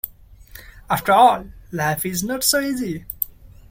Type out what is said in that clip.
After all, life is not so easy.